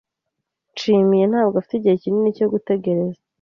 Nshimiye ntabwo afite igihe kinini cyo gutegereza.